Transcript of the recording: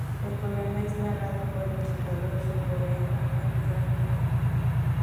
El programa es narrado por el presentador surcoreano Jun Hyun-moo.